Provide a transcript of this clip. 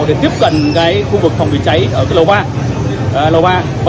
để tiếp cận khu vực phòng chế cháy ở lầu ba